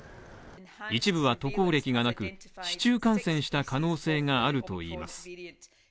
一部は渡航歴がなく、市中感染した可能性があるといいます。